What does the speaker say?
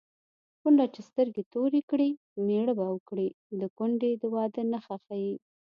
کونډه چې سترګې تورې کړي مېړه به وکړي د کونډې د واده نښه ښيي